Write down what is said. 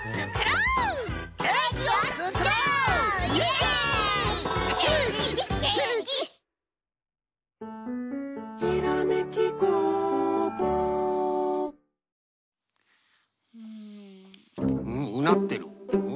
うんうなってる。